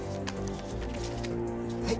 はい。